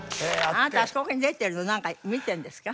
あなたあそこに出てるのなんか見てるんですか？